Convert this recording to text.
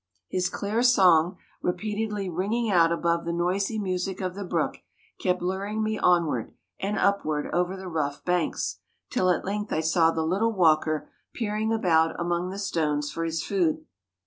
His clear song, repeatedly ringing out above the noisy music of the brook, kept luring me onward and upward over the rough banks, till at length I saw the little walker peering about among the stones for his food.